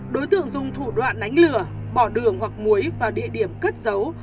đối tượng dùng thủ đoạn đánh lửa bỏ đường hoặc muối vào địa điểm cất dấu